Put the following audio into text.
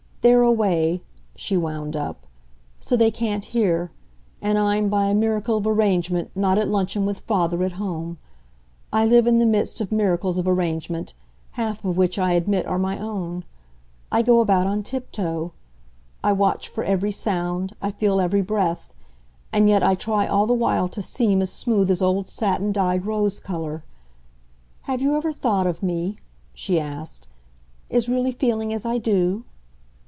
They're away," she wound up, "so they can't hear; and I'm, by a miracle of arrangement, not at luncheon with father at home. I live in the midst of miracles of arrangement, half of which I admit, are my own; I go about on tiptoe, I watch for every sound, I feel every breath, and yet I try all the while to seem as smooth as old satin dyed rose colour. Have you ever thought of me," she asked, "as really feeling as I do?"